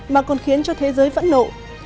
mà còn khiến cho thế giới phẫn nộ